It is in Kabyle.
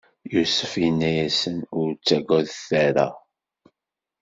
Yusef inna-yasen: Ur ttagadet ara!